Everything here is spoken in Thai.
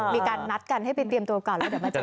มีการนัดกันให้เป็นเตรียมโอกาสแล้วเดี๋ยวมาเจอกัน